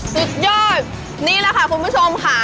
สุดยอดนี่แหละค่ะคุณผู้ชมค่ะ